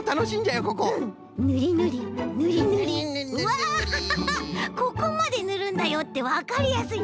わここまでぬるんだよってわかりやすいねこれ。